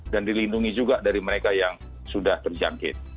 dan dilindungi juga dari mereka yang sudah terjangkit